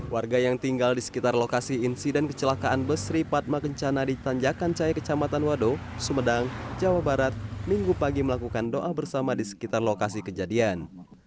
warga yang tinggal di sekitar lokasi insiden kecelakaan busri padma kencana di tanjakan cahaya kecamatan wado sumedang jawa barat minggu pagi melakukan doa bersama di sekitar lokasi kejadian